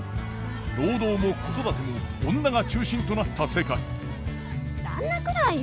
労働も子育ても女が中心となった世界旦那くらいよ。